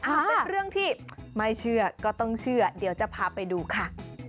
เป็นเรื่องที่ไม่เชื่อก็ต้องเชื่อเดี๋ยวจะพาไปดูค่ะ